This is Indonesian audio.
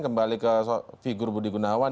kembali ke figur budi gunawan